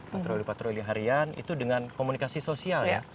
patroli patroli harian itu dengan komunikasi sosial ya